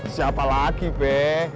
siapa lagi be